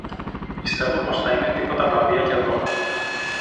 Πιστεύω πως θα είναι τίποτα βραβεία και δώρα